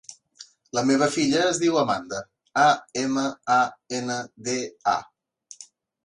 La meva filla es diu Amanda: a, ema, a, ena, de, a.